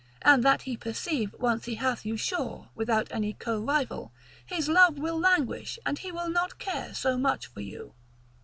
and that he perceive once he hath you sure, without any co rival, his love will languish, and he will not care so much for you.